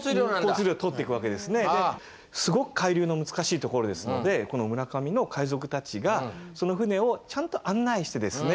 交流量通っていくわけですね。ですごく海流の難しい所ですのでこの村上の海賊たちがその船をちゃんと案内してですね